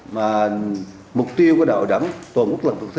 mà mục tiêu của đạo đẳng tổ quốc lập thuật thứ hai